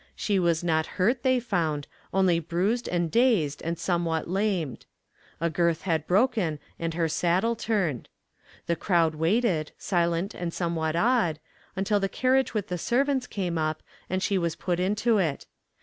She was not hurt, they found, only bruised and dazed and somewhat lamed. A girth had broken and her saddle turned. The crowd waited, silent and somewhat awed, until the carriage with the servants came up and she was put into it.